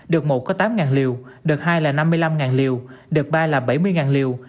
đợt một có tám liều đợt hai là năm mươi năm liều đợt ba là bảy mươi liều